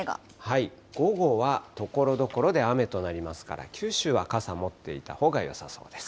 午後はところどころで雨となりますから、九州は傘持っていたほうがよさそうです。